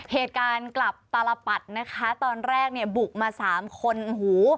เหตุการณ์กลับตลปัดนะคะตอนแรกเนี่ยบุกมาสามคนโอ้โห